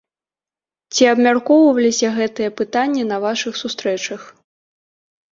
Ці абмяркоўваліся гэтыя пытанні на вашых сустрэчах?